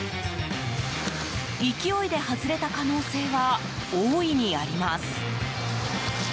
勢いで外れた可能性は大いにあります。